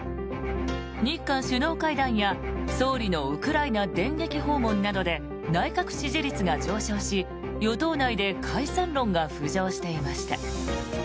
日韓首脳会談や総理のウクライナ電撃訪問などで内閣支持率が上昇し、与党内で解散論が浮上していました。